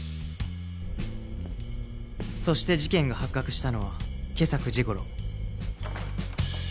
そして事件が発覚したのは今朝９時頃